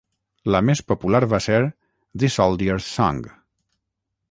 La més popular va ser "The Soldier's Song".